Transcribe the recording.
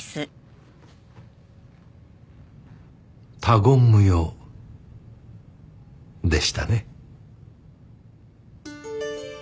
他言無用でしたね。